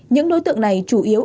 những đối tượng này chủ yếu